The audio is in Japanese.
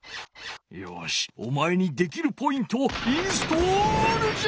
よしお前にできるポイントをインストールじゃ！